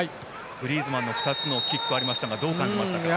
グリーズマンの２つのキックがありましたがどう感じましたか？